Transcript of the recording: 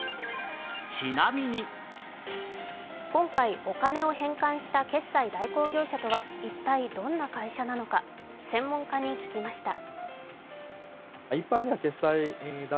今回お金を返還した決済代行業者とは一体どんな会社なのか専門家に聞きました。